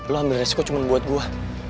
lo ambil resiko cuma buat gue